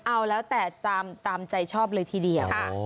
เอาแล้วแต่ตามใจชอบเลยทีเดียว